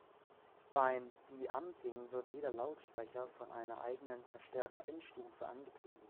Beim Bi-Amping wird jeder Lautsprecher von einer eigenen Verstärker-Endstufe angetrieben.